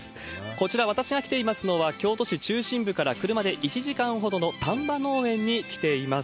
こちら、私が来ていますのは京都市中心部から車で１時間ほどの丹波農園に来ています。